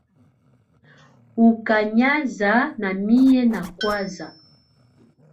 Ukanyaza namiye nakwaza